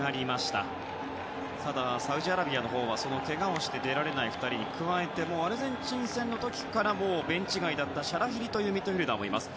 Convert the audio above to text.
ただ、サウジアラビアのほうはけがをして出られない２人に加えてアルゼンチン戦の時からもうベンチ外だったシャラヒリというミッドフィールダーもいます。